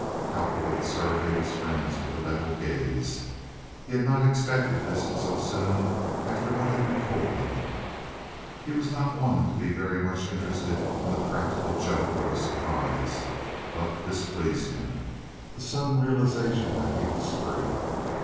Cowperwood surveyed his friends with a level gaze. He had not expected this so soon after what had been told him. He was not one to be very much interested in the practical joke or the surprise, but this pleased him—the sudden realization that he was free.